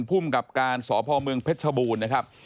ผู้มกับการสพเผชบูรณ์นะครับ